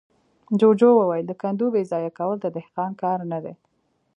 جوجو وويل: د کندو بېځايه کول د دهقان کار نه دی.